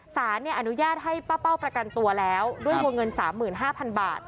สารอนุญาตให้ป้าเป้าประกันตัวแล้วด้วยวงเงิน๓๕๐๐๐บาท